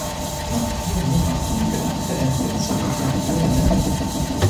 Nach vier Monaten gelangte er wieder zurück nach Öhringen.